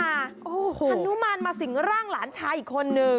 อนุมานมาสิงร่างหลานชายอีกคนนึง